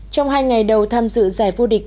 trong hai ngày đầu tham dự giải vô địch